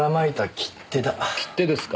切手ですか？